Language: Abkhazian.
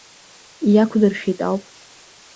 Иақәдыршәеит ауп.